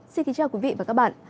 xin kính chào quý vị và các bạn